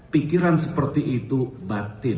pikiran seperti itu batil